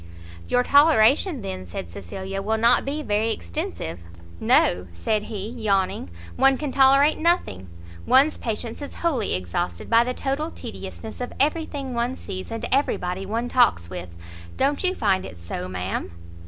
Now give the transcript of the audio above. "Your toleration, then," said Cecilia, "will not be very extensive." "No," said he, yawning, "one can tolerate nothing! one's patience is wholly exhausted by the total tediousness of every thing one sees, and every body one talks with. Don't you find it so, ma'am?"